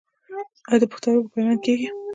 آیا د پښتورګو پیوند کیږي؟